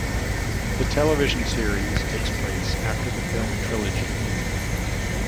The television series takes place after the film trilogy.